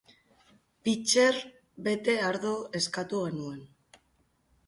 Pitxer bete ardo eskatu genuen.